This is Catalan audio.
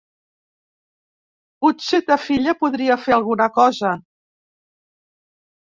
Potser ta filla podria fer alguna cosa.